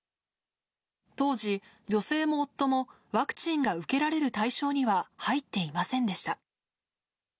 当時、女性も夫もワクチンが受けられる対象には入っていませんでした。